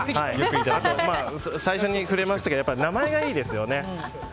最初に触れましたけど名前がいいですよね。